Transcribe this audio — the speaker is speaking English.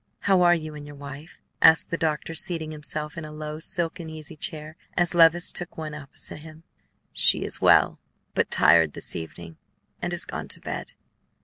"How are you and your wife?" asked the doctor, seating himself in a low, silken easy chair as Levice took one opposite him. "She is well, but tired this evening, and has gone to bed.